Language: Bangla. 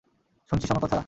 শুনছিস আমার কথা?